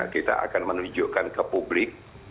kita akan menunjukkan ke publik